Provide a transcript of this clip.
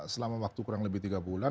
selama waktu kurang lebih tiga bulan